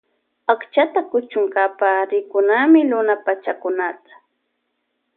Akchata kuchunka rikunami luna pachakunata.